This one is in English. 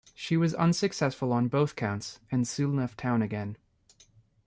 She was unsuccessful on both counts, and soon left town again.